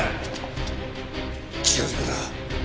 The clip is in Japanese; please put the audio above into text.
近づくな！